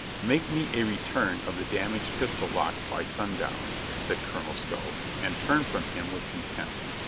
"Make me a return of the damaged pistol locks by sundown," said Colonel Stow and turned from him with contempt.